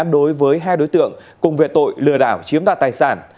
đối với hai đối tượng cùng vệ tội lừa đảo chiếm đạt tài sản